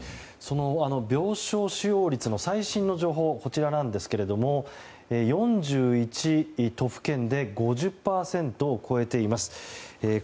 病床使用率の最新情報がこちらですが４１都府県で５０％を超えています。